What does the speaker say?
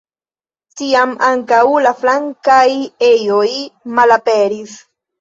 Tiam ankaŭ la flankaj ejoj malaperis.